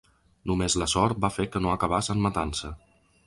Només la sort va fer que no acabàs en matança.